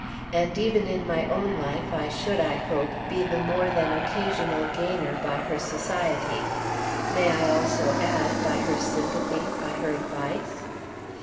And even in my own life I should, I hope, be the more than occasional gainer by her society; may I also add, by her sympathy, by her advice?